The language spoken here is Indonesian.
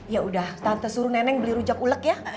ya udah tante suruh neneng beli rujak ulek ya